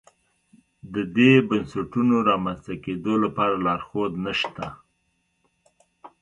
د دې بنسټونو رامنځته کېدو لپاره لارښود نه شته.